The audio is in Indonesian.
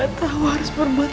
tidak ada yang kurang